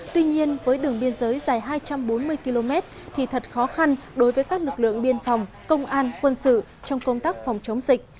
tuy nhiên với đường biên giới dài hai trăm bốn mươi km thì thật khó khăn đối với các lực lượng biên phòng công an quân sự trong công tác phòng chống dịch